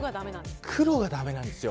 黒が駄目なんですよ。